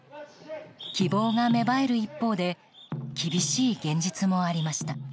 希望が芽生える一方で厳しい現実もありました。